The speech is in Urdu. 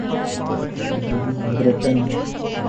بریٹن